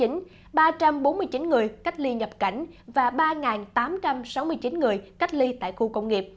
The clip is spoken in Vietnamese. ba trăm bốn mươi chín người cách ly nhập cảnh và ba tám trăm sáu mươi chín người cách ly tại khu công nghiệp